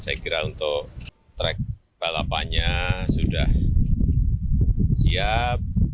saya kira untuk track balapannya sudah siap